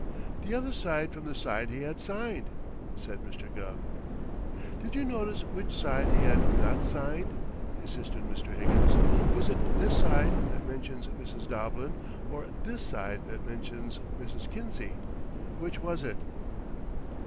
"The other side from the side he had signed," said Mr. Gubb. "Did you notice which side he had not signed?" insisted Mr. Higgins. "Was it this side that mentions Mrs. Doblin, or this side that mentions Mrs. Kinsey? Which was it?"